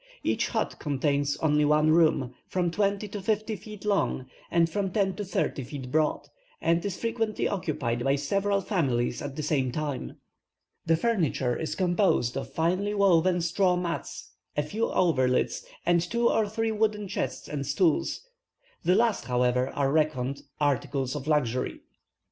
Each hut contains only one room, from twenty to fifty feet long, and from ten to thirty feet broad, and is frequently occupied by several families at the same time. The furniture is composed of finely woven straw mats, a few coverlids, and two or three wooden chests and stools; the last, however, are reckoned articles of luxury.